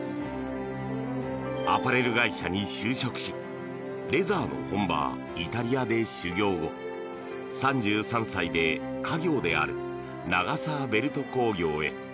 アパレル会社に就職しレザーの本場イタリアで修業後３３歳で家業である長沢ベルト工業へ。